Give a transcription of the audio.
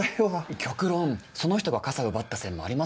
極論その人が傘奪った線もありますからね。